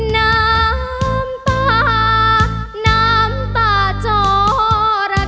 น้ำตาน้ำตาจอระ